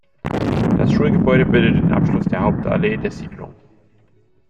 Das Schulgebäude bildet den Abschluss der Hauptallee der Siedlung.